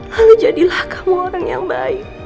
lalu jadilah kamu orang yang baik